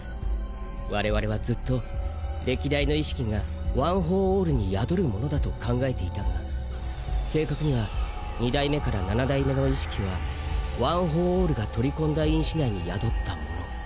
我々はずっと歴代の意識がワン・フォー・オールに宿るものだと考えていたが正確には二代目から七代目の意識はワン・フォー・オールが取り込んだ因子内に宿ったもの。